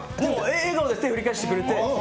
笑顔で手を振り返してくれて。